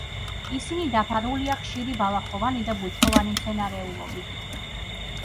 ისინი დაფარულია ხშირი ბალახოვანი და ბუჩქოვანი მცენარეულობით.